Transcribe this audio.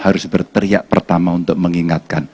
harus berteriak pertama untuk mengingatkan